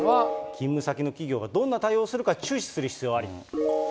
勤務先の企業がどんな対応するか注視する必要あり。